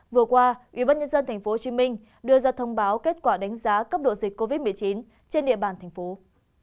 vừa qua ubnd tp hcm đưa ra thông báo kết quả đánh giá cấp độ dịch covid một mươi chín trên địa bàn thành phố